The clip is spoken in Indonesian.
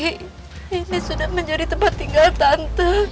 ini sudah menjadi tempat tinggal tante